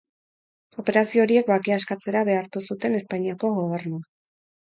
Operazio horiek bakea eskatzera behartu zuten Espainiako gobernua.